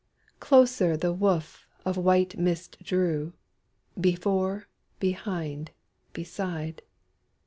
Closer the woof of white mist drew, Before, behind, beside.